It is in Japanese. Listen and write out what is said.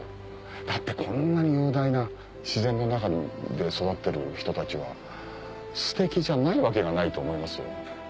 だってこんなに雄大な自然の中で育ってる人たちはステキじゃないわけがないと思いますよ。